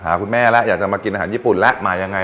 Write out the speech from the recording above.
คุณแม่แล้วอยากจะมากินอาหารญี่ปุ่นแล้วมายังไง